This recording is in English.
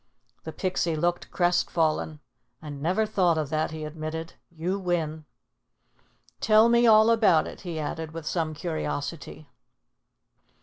The Pixie looked crestfallen. "I never thought of that," he admitted. "You win." "Tell me all about it," he added with some curiosity.